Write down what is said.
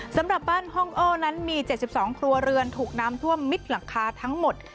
สำหรับบ้านห้องโอนั้นมี๗๒ครัวเรือนถูกน้ำท่วมมิดหลังคาทั้งหมด